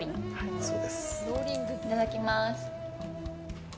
いただきます。